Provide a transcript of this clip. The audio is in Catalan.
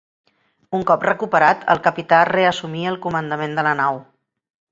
Un cop recuperat, el capità reassumí el comandament de la nau.